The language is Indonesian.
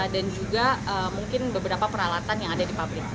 dan juga mungkin beberapa peralatan yang ada di pabrik